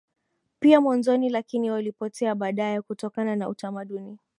pia mwanzoni lakini walipotea baadaye kutokana na utamaduni